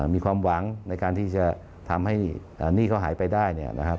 มีความหวังในการที่จะทำให้หนี้เขาหายไปได้เนี่ยนะครับ